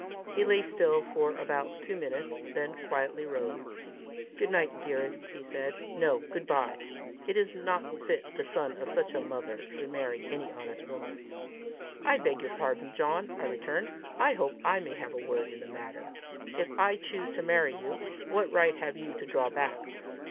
He lay still for about two minutes, then quietly rose. "Good night, dearest!" he said; " no; good bye! It is not fit the son of such a mother should marry any honest woman." "I beg your pardon, John!" I returned; "I hope I may have a word in the matter! If I choose to marry you, what right have you to draw back?